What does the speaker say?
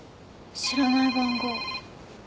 知らない番号。